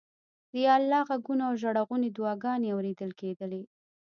د یا الله غږونه او ژړغونې دعاګانې اورېدل کېدلې.